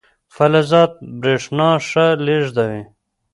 فلزات برېښنا ښه لیږدوي.